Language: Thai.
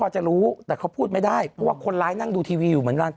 พอจะรู้แต่เขาพูดไม่ได้เพราะว่าคนร้ายนั่งดูทีวีอยู่เหมือนกัน